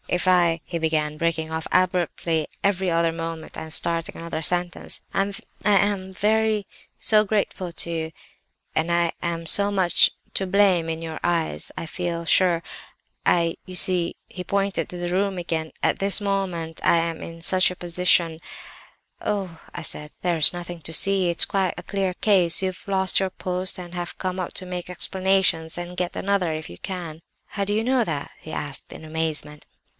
"'If I—' he began, breaking off abruptly every other moment, and starting another sentence. 'I—I am so very grateful to you, and I am so much to blame in your eyes, I feel sure, I—you see—' (he pointed to the room again) 'at this moment I am in such a position—' "'Oh!' I said, 'there's nothing to see; it's quite a clear case—you've lost your post and have come up to make explanations and get another, if you can!' "'How do you know that?' he asked in amazement.